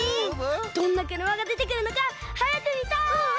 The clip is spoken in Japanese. どんなくるまがでてくるのかはやくみたい！